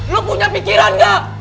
lu punya pikiran gak